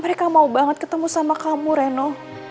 mereka mau banget ketemu sama kamu reno